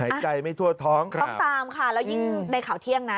หายใจไม่ทั่วท้องครับต้องตามค่ะแล้วยิ่งในข่าวเที่ยงนะ